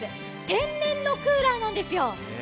天然のクーラーなんですよ。